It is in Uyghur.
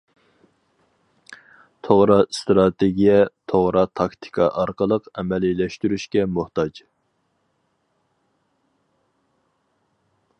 توغرا ئىستراتېگىيە توغرا تاكتىكا ئارقىلىق ئەمەلىيلەشتۈرۈشكە موھتاج.